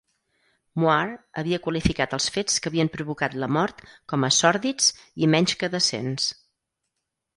Moir havia qualificat els fets que havien provocar la mort com a "sòrdids" i "menys que decents".